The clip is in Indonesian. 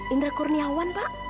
indra kurniawan pak